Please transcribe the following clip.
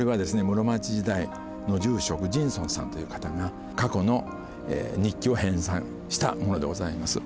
室町時代の住職尋尊さんという方が過去の日記を編さんしたものでございます。